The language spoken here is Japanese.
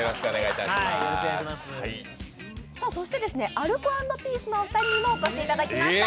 そしてアルコ＆ピースのお二人にもお越しいただきました。